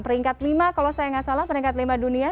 peringkat lima kalau saya nggak salah peringkat lima dunia